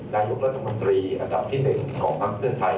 นายกรัฐมนตรีอัดดับที่หนึ่งของภักดิ์เที่ยนไทย